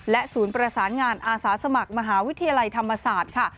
ศูนย์ประสานงานอาสาสมัครมหาวิทยาลัยธรรมศาสตร์ค่ะ